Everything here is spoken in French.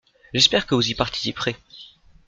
J’espère que vous y participerez.